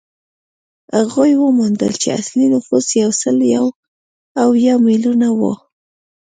هغوی وموندل چې اصلي نفوس یو سل یو اویا میلیونه وو.